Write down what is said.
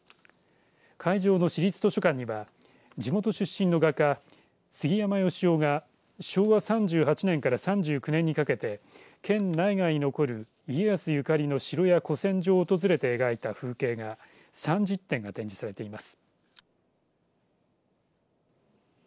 会場の市立図書館には地元出身の画家、杉山良雄が昭和３８年から３９年にかけて県内外に残る家康ゆかりの城や古戦場を訪れて描いた風景画３０点が展示されています。